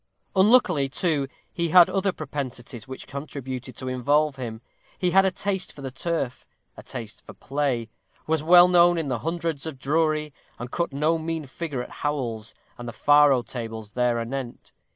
Unluckily, too, he had other propensities which contributed to involve him. He had a taste for the turf a taste for play was well known in the hundreds of Drury, and cut no mean figure at Howell's, and the faro tables there anent.